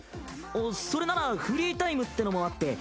あっそれならフリータイムってのもあって。